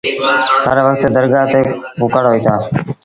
هر وکت درگآه تي ڪُڪڙهوئيٚتآ۔